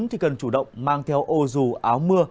thì cần chủ động mang theo ô dù áo mưa